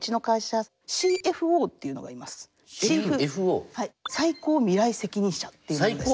はい最高未来責任者っていうものです。